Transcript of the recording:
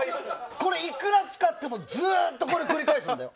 これ、いくら使ってもずっとこれを繰り返すんだよ。